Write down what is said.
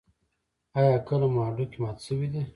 ایا کله مو هډوکی مات شوی دی؟